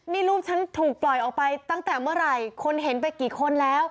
นี่รูปฉันถูกปล่อยออกไปตั้งแต่เมื่อไหร่คนเห็นไปกี่คนแล้ว